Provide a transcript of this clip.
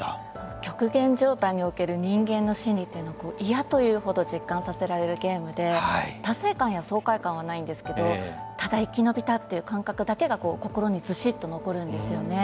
極限状態における人間の心理を嫌という程実感させられるゲームで達成感や爽快感はないんですけどただ生き延びたという感覚だけが心にずしっと残るんですよね。